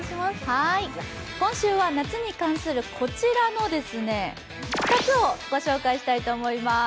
今週は夏に関するこちらの２つをご紹介したいと思います。